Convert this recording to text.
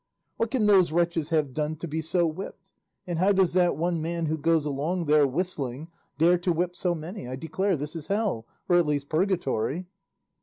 What can those wretches have done to be so whipped; and how does that one man who goes along there whistling dare to whip so many? I declare this is hell, or at least purgatory!"